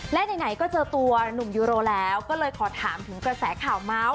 และไหนก็เจอตัวหนุ่มยูโรแล้วก็เลยขอถามถึงกระแสข่าวเมาส์